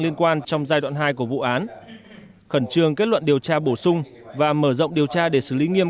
liên quan trong giai đoạn hai của vụ án khẩn trương kết luận điều tra bổ sung và mở rộng điều tra để xử lý nghiêm